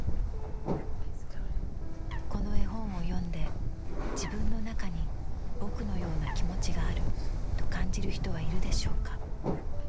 「この絵本を読んで自分のなかに『ぼく』のような気持ちがあるとかんじる人はいるでしょうか。